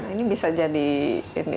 ini bisa jadi film berikutnya